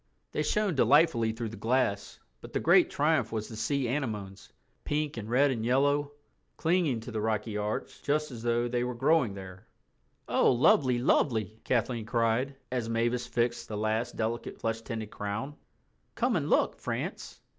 They shone delightfully through the glass. But the great triumph was the sea anemones—pink and red and yellow—clinging to the rocky arch just as though they were growing there. "Oh, lovely, lovely," Kathleen cried, as Mavis fixed the last delicate flesh tinted crown. "Come and look, France."